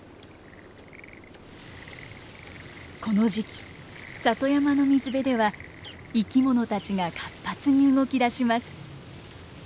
この時期里山の水辺では生き物たちが活発に動きだします。